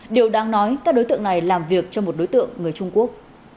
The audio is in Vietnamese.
điều đáng nói các đối tượng này làm việc cho một đối tượng người trung quốc